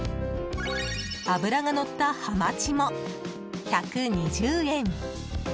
脂がのったハマチも１２０円。